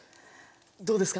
どうですか？